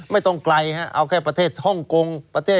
ไม่ต้องไกลเอาแค่ประเทศฮ่องกง